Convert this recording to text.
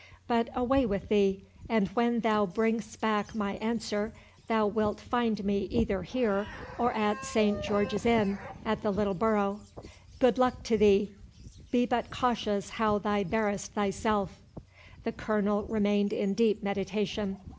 —But away with thee; and when thou bring'st back my answer, thou wilt find me either here or at Saint George's Inn, at the little borough.—Good luck to thee—Be but cautious how thou bearest thyself." The Colonel remained in deep meditation.